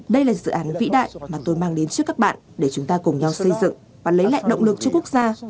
đây là dự án vĩ đại mà tôi mang đến trước các bạn để chúng ta cùng nhau xây dựng và lấy lại động lực cho quốc gia